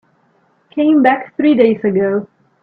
Came back three days ago.